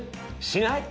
しない？